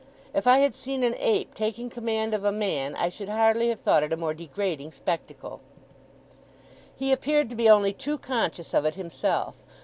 If I had seen an Ape taking command of a Man, I should hardly have thought it a more degrading spectacle. He appeared to be only too conscious of it himself.